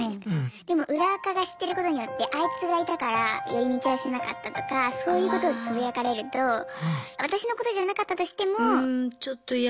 でも裏アカが知ってることによってあいつがいたから寄り道はしなかったとかそういうことをつぶやかれると私のことじゃなかったとしても。